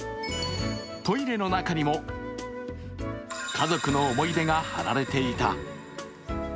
トイレの中にも家族の思い出が貼られていた。